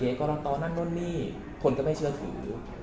เอิ๊กก็รับตอนนั้นนู้นหนี้คนก็ไม่เชื่อถือ